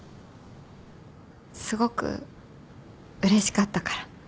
すごくうれしかったから。